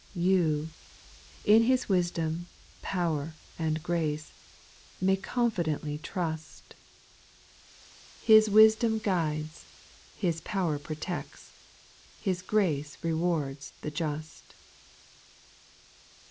You, in His wisdom, power, and grace, May confidently trust • us SPIRITUAL SONGS, His wisdom guides, His power protects, His grace rewards the just.